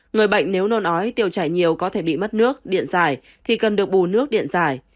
người bệnh nếu nôn ói tiêu chảy nhiều có thể bị mất nước điện giải thì cần được bù nước điện giải